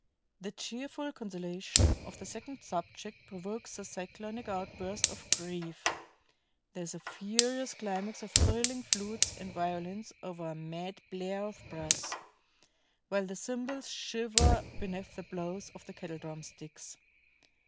The cheerful consolation of the second subject provokes a cyclonic outburst of grief; there is a furious climax of thrilling flutes and violins over a mad blare of brass, the while the cymbals shiver beneath the blows of the kettle drum sticks.